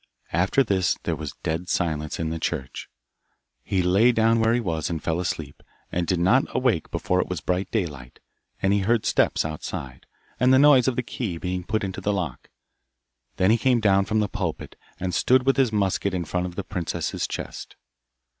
After this there was dead silence in the church. He lay down where he was and fell asleep, and did not awake before it was bright daylight, and he heard steps outside, and the noise of the key being put into the lock. Then he came down from the pulpit, and stood with his musket in front of the princess's chest.